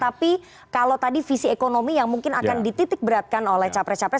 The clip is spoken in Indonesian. tapi kalau tadi visi ekonomi yang mungkin akan dititik beratkan oleh capres capres